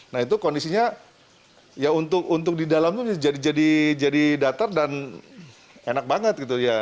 nah itu kondisinya ya untuk di dalamnya jadi datar dan enak banget gitu ya